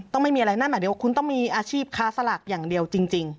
ไม่มีอะไรนั่นหมายถึงว่าคุณต้องมีอาชีพค้าสลากอย่างเดียวจริง